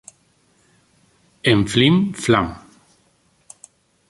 En "Flim-Flam!